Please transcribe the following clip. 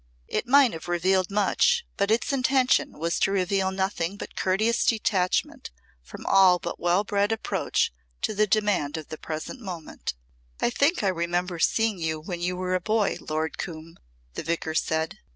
It might have revealed much but its intention was to reveal nothing but courteous detachment from all but well bred approach to the demand of the present moment. "I think I remember seeing you when you were a boy, Lord Coombe," the Vicar said.